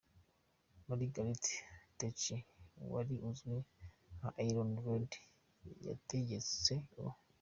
Margaret Thatcher wari uzwi nka Iron Lady yategetse u.